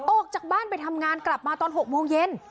ออกจากบ้านไปทำงานกลับมาตอน๖โมงเย็น